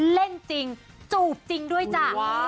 เล่นจริงจูบจริงด้วยจ้ะ